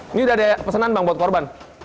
ini udah ada pesanan bang buat korban